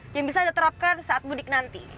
yang bisa diterapkan saat mudik nanti